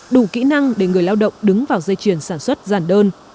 đủ kỹ năng để người lao động đứng vào dây chuyển sản xuất giàn đơn